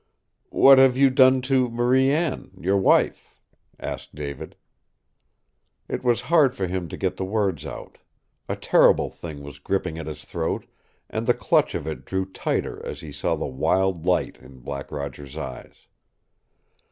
"What have you done to Marie Anne your wife?" asked David. It was hard for him to get the words out. A terrible thing was gripping at his throat, and the clutch of it grew tighter as he saw the wild light in Black Roger's eyes.